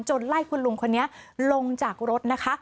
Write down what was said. ไล่คุณลุงคนนี้ลงจากรถนะคะ